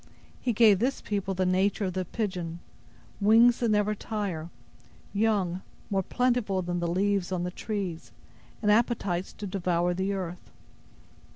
He gave this people the nature of the pigeon; wings that never tire; young, more plentiful than the leaves on the trees, and appetites to devour the earth.